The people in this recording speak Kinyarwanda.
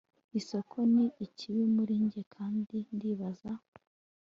isoko ni ikibi muri njye, kandi ndibaza